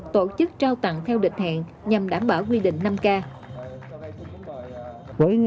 tổ chức trao tặng theo định hẹn nhằm đảm bảo quy định năm k